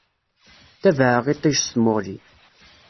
Ttabaɛeɣ iṭij s tmuɣli.